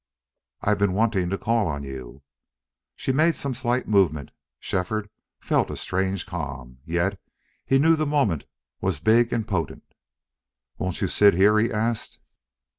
"I've been wanting to call on you." She made some slight movement. Shefford felt a strange calm, yet he knew the moment was big and potent. "Won't you sit here?" he asked.